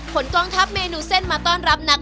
กองทัพเมนูเส้นมาต้อนรับนัก